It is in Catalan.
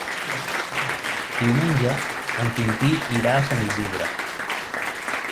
Diumenge en Quintí irà a Sant Isidre.